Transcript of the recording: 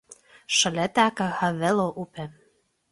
Šalia teka Havelo upė.